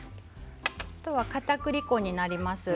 あとは、かたくり粉になります。